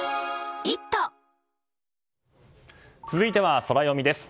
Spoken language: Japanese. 続いてはソラよみです。